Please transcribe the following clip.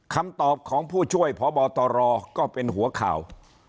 คำตอบของผู้ช่วยพบตรก็เป็นหัวข่าว